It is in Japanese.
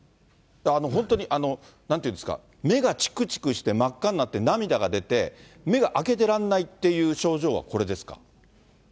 本当になんていうんですか、目がちくちくして真っ赤になって、涙が出て、目が開けてらんないっていう症状はこれですか？